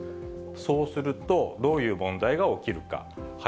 そうすると、どういう問題が起きるか。